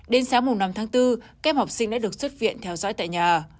đến sáng năm tháng bốn các học sinh đã được xuất viện theo dõi tại nhà